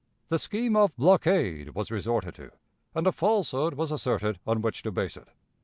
The scheme of blockade was resorted to, and a falsehood was asserted on which to base it.